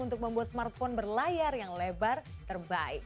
untuk membuat smartphone berlayar yang lebar terbaik